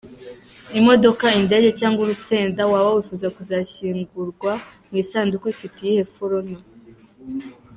Imodoka, indege, cyangwa urusenda - waba wifuza kuzashingurwa mu isanduku ifite iyihe foroma?.